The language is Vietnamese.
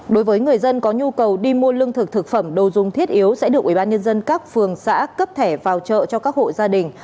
đối với người dân có nhu cầu đi mua lương thực thực phẩm đồ dùng thiết yếu sẽ được ubnd các phường xã cấp thẻ vào chợ cho các hộ gia đình